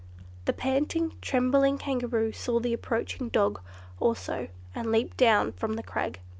The panting, trembling Kangaroo saw the approaching dog, also, and leaped down from the crag.